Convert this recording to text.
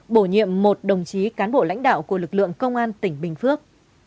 bổ nhiệm một đồng chí cán bộ lãnh đạo của lực lượng công an tỉnh bình phước